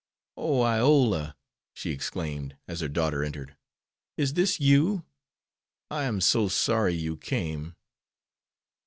"Oh, Iola," she exclaimed, as her daughter entered, "is this you? I am so sorry you came."